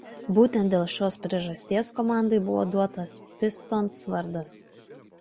Būtent dėl šios priežasties komandai buvo duotas "Pistons" vardas.